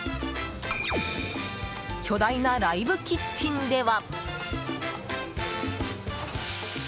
巨大なライブキッチンでは。